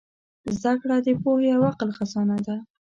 زدهکړه د پوهې او عقل خزانه ده.